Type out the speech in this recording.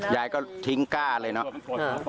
ยายก็ทิ้งก้าเลยเนอะขอขอความบ้ีผัด